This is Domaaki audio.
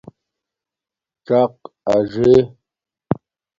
څَق اَژے